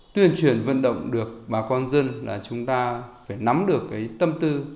tuyên truyền vận động được bà con dân là chúng ta phải nắm được cái tâm tư